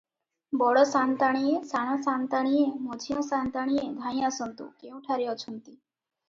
"ବଡ଼ ସାଆନ୍ତାଣୀଏ ସାନ ସାଆନ୍ତାଣୀଏ, ମଝିଆଁ ସାଆନ୍ତାଣୀଏ, ଧାଇଁ ଆସନ୍ତୁ, କେଉଁଠାରେ ଅଛନ୍ତି?